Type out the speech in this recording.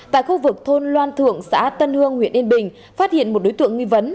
tại khu vực thôn loan thượng xã tân hương huyện yên bình phát hiện một đối tượng nghi vấn